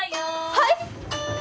はい！？